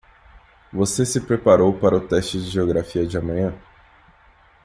Você se preparou para o teste de Geografia de amanhã?